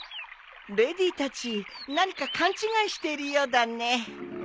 レディたち何か勘違いしているようだね。